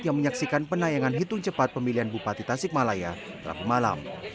yang menyaksikan penayangan hitung cepat pemilihan bupati tasikmalaya rabu malam